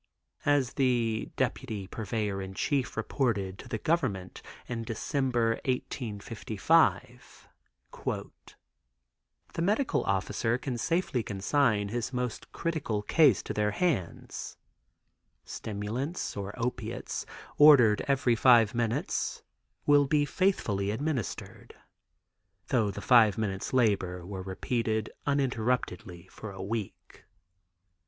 As the deputy purveyor in chief reported to the Government in December, 1855: "The medical officer can safely consign his most critical case to their hands; stimulants or opiates ordered every five minutes will be faithfully administered, though the five minutes' labor were repeated uninterruptedly for a week."